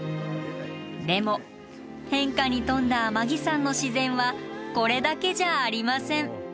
でも変化に富んだ天城山の自然はこれだけじゃありません。